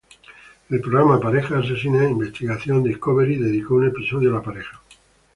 El programa Parejas Asesinas Investigation Discovery, dedicó un episodio a la pareja.